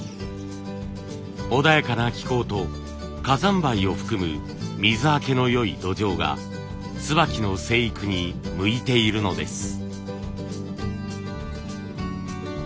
穏やかな気候と火山灰を含む水はけの良い土壌が椿の生育に向いているのです。